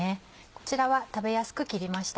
こちらは食べやすく切りました。